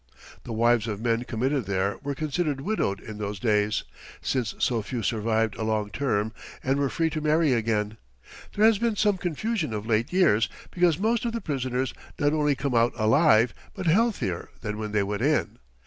The wives of men committed there were considered widowed in those days, since so few survived a long term, and were free to marry again. There has been some confusion of late years, because most of the prisoners not only come out alive, but healthier than when they went in.